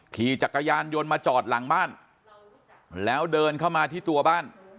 ขี่จักรยานยนต์มาจอดหลังบ้านแล้วเดินเข้ามาที่ตัวบ้าน